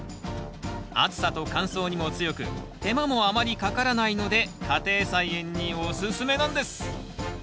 暑さと乾燥にも強く手間もあまりかからないので家庭菜園におすすめなんです。